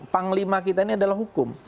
panglima kita ini adalah hukum